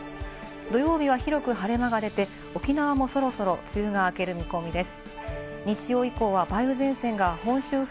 土曜日は広く晴れ間が出て、沖縄もそろそろ梅雨が明ける見込みです。